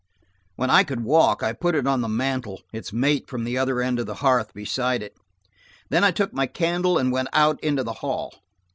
When I could walk I put it on the mantel, its mate from the other end of the hearth beside it. Then I took my candle and went out into the hall.